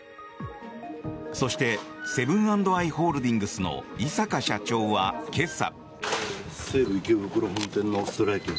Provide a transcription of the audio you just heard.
そして、セブン＆アイ・ホールディングスの井阪社長は今朝。